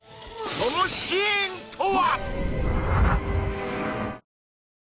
そのシーンとは？